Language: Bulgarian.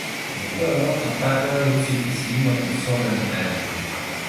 За тоя род атака русите си имат особен термин.